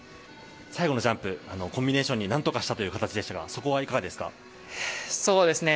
最後のジャンプコンビネーションに何とかしたという形でしたがそこはいかがですか？